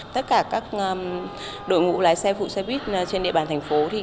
tất cả các đội ngũ lái xe phụ xe buýt trên địa bàn thành phố